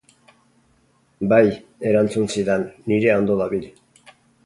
Bai, erantzun zidan, nirea ondo dabil.